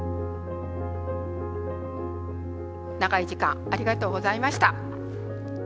長い時間ありがとうございました。